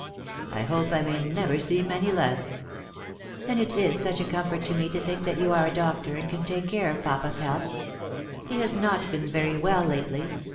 " I hope I may never seem any less." " And it is such a comfort to me to think that you are a doctor, and can take care of papa's health. He has not been very well lately.